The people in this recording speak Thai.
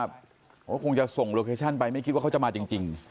เขาคงจะส่งโลเคชั่นไปไม่คิดว่าเขาจะมาจริง